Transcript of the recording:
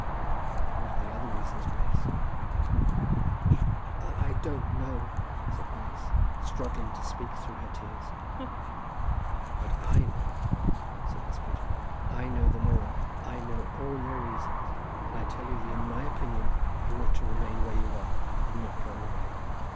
"And what are the other reasons, Grace?" "I don't know," said Grace, struggling to speak through her tears. "But I know," said Miss Prettyman. "I know them all. I know all your reasons, and I tell you that in my opinion you ought to remain where you are, and not go away.